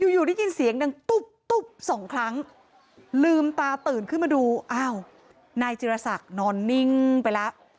อยู่ได้ยินเสียงดังตุ๊บตุ๊บสองครั้งลืมตาตื่นขึ้นมาดูอ้าวนายจิรษักนอนนิ่งไปแล้ว